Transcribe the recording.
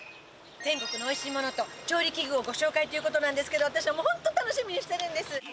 全国のおいしいものと調理器具をご紹介という事なんですけど私はもうホント楽しみにしてるんです。